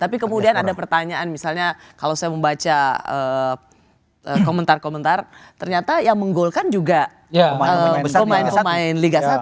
tapi kemudian ada pertanyaan misalnya kalau saya membaca komentar komentar ternyata yang menggolkan juga pemain pemain liga satu